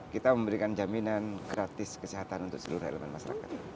kita memberikan jaminan gratis kesehatan untuk seluruh elemen masyarakat